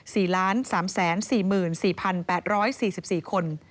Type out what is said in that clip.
ล้านสามแสนสี่หมื่นสี่พันแปดร้อยสี่สิบสี่คน